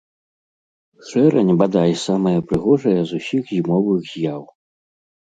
Шэрань, бадай, самая прыгожая з усіх зімовых з'яў.